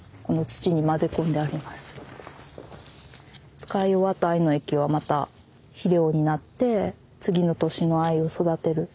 使い終わった藍の液はまた肥料になって次の年の藍を育てる。